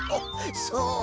そう？